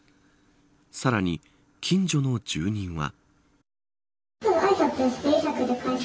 さらに、近所の住人は。